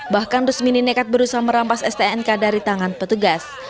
bahkan rusmini nekat berusaha merampas stnk dari tangan petugas